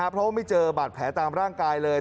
เพราะว่าไม่เจอบาดแผลตามร่างกายเลย